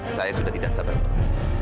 saya sudah tidak sabar untuk